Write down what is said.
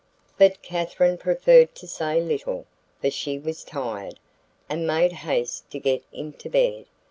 But Katherine preferred to say little, for she was tired, and made haste to get into bed.